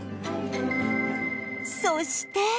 そして